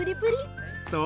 そう。